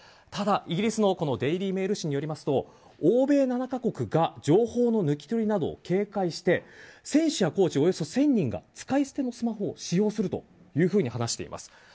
ただ、イギリスのデイリー・メールによると欧米７か国が情報の抜き取りなどを警戒して選手やコーチおよそ１０００人が使い捨てのスマホを使用するというふうに話しています。